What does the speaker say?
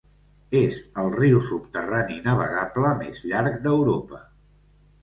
És el riu subterrani navegable més llarg d'Europa.